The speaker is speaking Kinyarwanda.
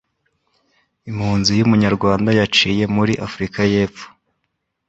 Impunzi y'Umunyarwanda yiciwe muri Afurika y'Epfo